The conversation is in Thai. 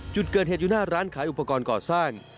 จุดเกิดเหตุอยู่หน้าร้านขายอุปกรณ์ก่อสร้าง